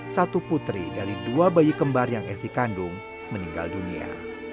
satu putri dari dua bayi kembar yang esti kandung meninggal dunia